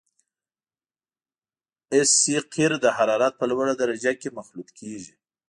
اس سي قیر د حرارت په لوړه درجه کې مخلوط کیږي